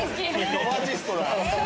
ロマンチストだ。